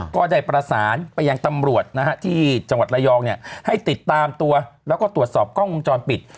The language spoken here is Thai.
ก็ได้ประสานไปยังตำรวจนะฮะที่จังหวัดระยองให้ติดตามตัวแล้วก็ตรวจสอบกล้องวงจรปิด